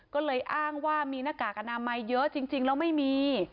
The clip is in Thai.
ก็เลยอ้างว่ามีหน้ากากอนามัยเยอะจริงแล้วไม่มี